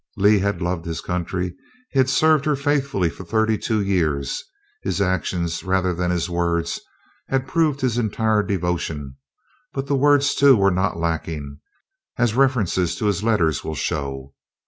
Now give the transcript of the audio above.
Lee had loved his country. He had served her faithfully for thirty two years. His actions rather than his words had proved his entire devotion, but the words too were not lacking, as references to his letters will show.